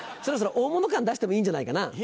そろそろ大物感出してもいいんじゃないかな？